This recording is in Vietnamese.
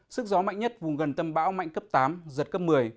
sức gió mạnh nhất vùng gần tâm bão mạnh cấp tám giật cấp một mươi